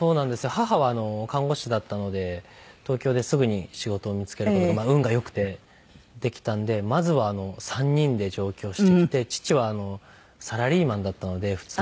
母は看護師だったので東京ですぐに仕事を見付ける事がまあ運が良くてできたのでまずは３人で上京してきて父はサラリーマンだったので普通の。